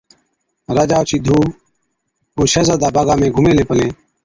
راجا اوڇِي ڌُو ائُون شهزادا باغا ۾ گھُمين هِلين پلين،